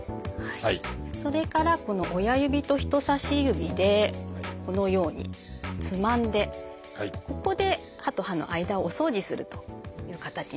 それからこの親指と人差し指でこのようにつまんでここで歯と歯の間をお掃除するという形になります。